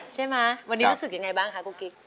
ใช่ไหมวันนี้รู้สึกยังไงบ้างคะกุ๊กกิ๊ก